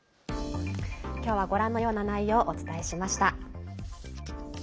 今日は、ご覧のような内容をお伝えしました。